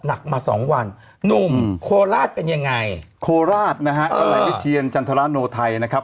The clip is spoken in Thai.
หนักมาสองวันหนุ่มโคลาศเป็นยังไงโคลาศนะฮะอลัยวิทย์เชียรจันทรานโนไทยนะครับ